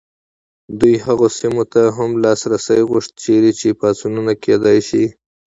دوی هغو سیمو ته هم لاسرسی غوښت چیرې چې پاڅونونه کېدای شي.